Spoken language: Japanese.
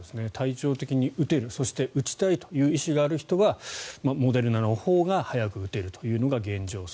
体調的に打てる打ちたいという意思がある人はモデルナのほうが早く打てるというのが現状。